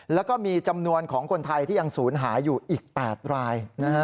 แล้วก็มีจำนวนของคนไทยที่ยังศูนย์หายอยู่อีก๘ราย